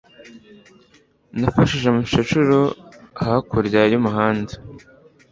Nafashije umukecuru hakurya y'umuhanda.